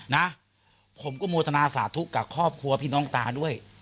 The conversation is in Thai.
นะผมก็โมทนาสาธุกับครอบครัวพี่น้องตาด้วย